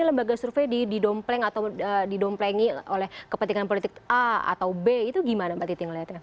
lembaga survei didompleng atau didomplengi oleh kepentingan politik a atau b itu gimana mbak titi melihatnya